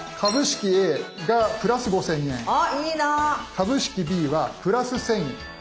株式Ｂは＋１，０００円。